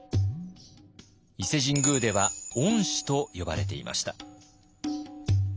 伊勢神宮では御師と呼ばれていました。